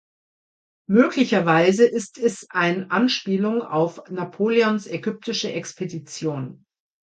Möglicherweise ist es ein Anspielung auf Napoleons Ägyptische Expedition.